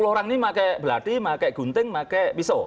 sepuluh orang ini pakai belati pakai gunting pakai pisau